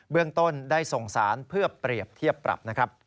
เบื้องต้นได้ส่งสารเพื่อเปรียบเทียบปรับ